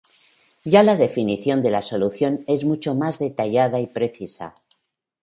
Ya la definición de la solución es mucho más detallada y precisa.